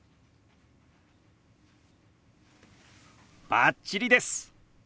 バッチリです！